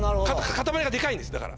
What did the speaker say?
塊がデカいんですだから。